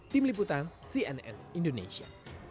tim liputan cnn indonesia